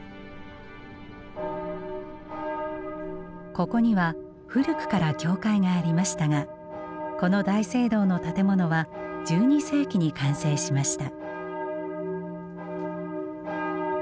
ここには古くから教会がありましたがこの大聖堂の建物は１２世紀に完成しました。